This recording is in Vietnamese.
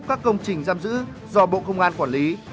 các công trình giam giữ do bộ công an quản lý